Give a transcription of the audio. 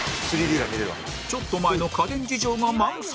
ちょっと前の家電事情が満載！